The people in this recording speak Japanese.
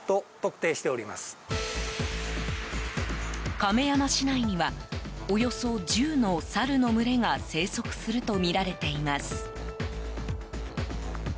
亀山市内にはおよそ１０のサルの群れが生息するとみられています。